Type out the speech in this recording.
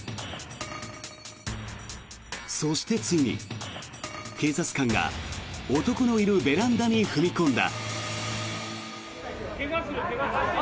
そして、ついに警察官が男のいるベランダに踏み込んだ。